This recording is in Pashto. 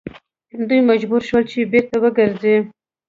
دوی مجبور شول چې بیرته وګرځي.